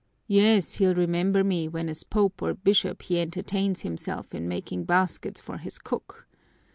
Yes, he'll remember me when as Pope or bishop he entertains himself in making baskets for his cook.